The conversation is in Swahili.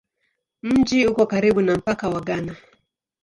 Mji uko karibu na mpaka wa Ghana.